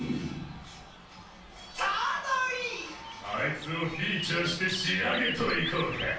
あいつをフィーチャーして仕上げといこうか。